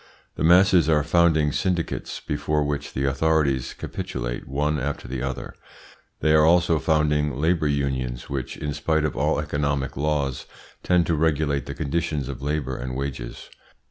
The masses are founding syndicates before which the authorities capitulate one after the other; they are also founding labour unions, which in spite of all economic laws tend to regulate the conditions of labour and wages.